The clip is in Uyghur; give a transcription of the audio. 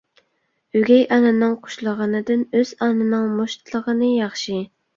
ئۆگەي ئانىنىڭ قۇشلىغىنىدىن ئۆز ئانىنىڭ مۇشتلىغىنى ياخشى.